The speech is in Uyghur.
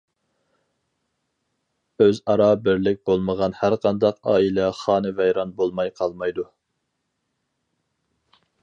ئۆزئارا بىرلىك بولمىغان ھەرقانداق ئائىلە خانىۋەيران بولماي قالمايدۇ.